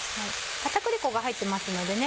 片栗粉が入ってますのでね